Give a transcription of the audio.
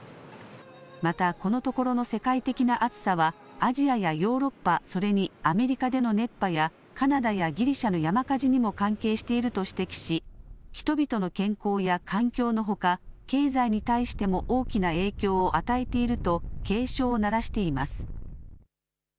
またこのところの世界的な暑さはアジアやヨーロッパ、それにアメリカでの熱波やカナダやギリシャの山火事にも関係していると指摘し人々の健康や環境のほか経済に対しても大きな影響を与えていると警鐘を鳴らしています。